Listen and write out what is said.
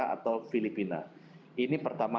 atau filipina ini pertama